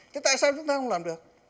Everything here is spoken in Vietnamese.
thế tại sao chúng ta không làm được